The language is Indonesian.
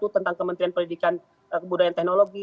tentang kementerian pendidikan kebudayaan teknologi